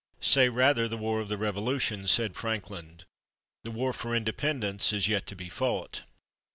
"Say, rather, the War of the Revolution," said Franklin. "The War for Independence is yet to be fought."